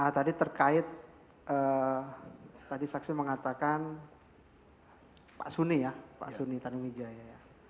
tadi terkait tadi saksi mengatakan pak suni ya pak suni tanuwijaya ya